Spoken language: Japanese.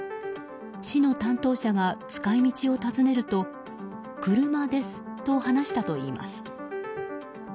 市の担当者が使い道を尋ねると車ですと話したといいます。